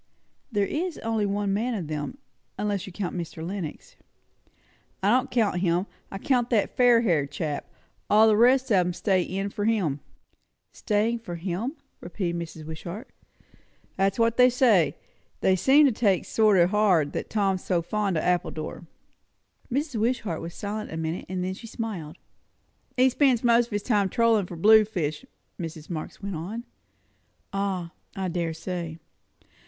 "There is only one man of them; unless you count Mr. Lenox." "I don't count him. I count that fair haired chap. All the rest of 'em are stay in' for him." "Staying for him!" repeated Mrs. Wishart. "That's what they say. They seem to take it sort o' hard, that Tom's so fond of Appledore." Mrs. Wishart was silent a minute, and then she smiled. "He spends his time trollin' for blue fish," Mrs. Marx went on. "Ah, I dare say.